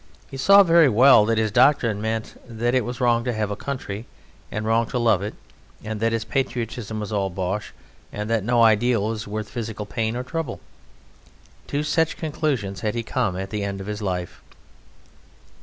He saw very well that his doctrine meant that it was wrong to have a country, and wrong to love it, and that patriotism was all bosh, and that no ideal was worth physical pain or trouble. To such conclusions had he come at the end of his life.